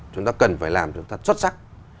chúng ta cần phải làm cho nó xuất sắc